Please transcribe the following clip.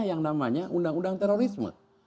yang namanya undang undang terorisme